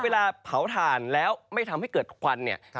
เวลาเผาถ่านแล้วไม่ทำให้เกิดควันเนี่ย